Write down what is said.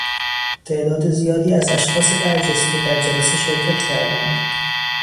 تعداد زیادی از اشخاص برجسته در جلسه شرکت کردند.